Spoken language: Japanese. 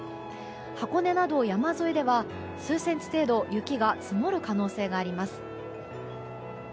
箱根など、山沿いでは数センチ程度雪が積もる可能性があります。